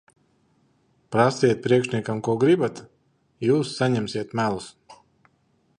Prasiet priekšniekiem, ko gribat. Jūs saņemsiet melus.